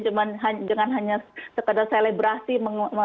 jangan hanya sekadar selebrasi meresmikan gnwu tapi